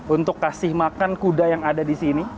untuk kasih makan kuda yang ada di sini